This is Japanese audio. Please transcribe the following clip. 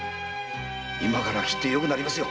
今からきっと良くなりますよ。